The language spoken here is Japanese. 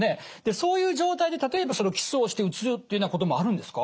そういう状態で例えばキスをしてうつるっていうようなこともあるんですか？